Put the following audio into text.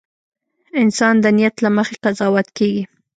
• انسان د نیت له مخې قضاوت کېږي.